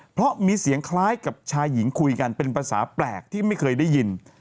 เพราะมีเสียงคล้ายกับชายหญิงคุยกันเป็นภาษาแปลกที่ไม่เคยได้ยิน